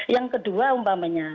yang kedua umpamanya